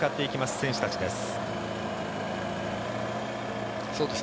選手たちです。